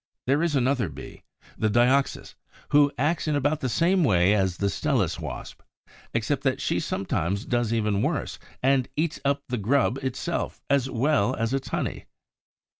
There is another Bee, the Dioxys, who acts in about the same way as the Stelis wasp, except that she sometimes does even worse, and eats up the grub itself, as well as its honey.